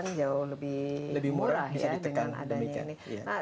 mobil juga ke depan jauh lebih murah dengan adanya ini